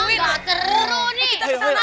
nggak seru nih